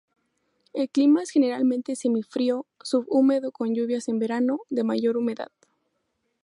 El clima es generalmente semifrío, subhúmedo con lluvias en verano, de mayor humedad.